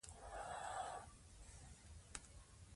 د اسلامي حکومت دنده د ټولو انسانانو ساتنه ده.